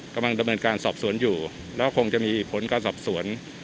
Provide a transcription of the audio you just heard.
กำลังดำเนินการสอบสวนอยู่แล้วก็คงจะมีผลการสอบสวน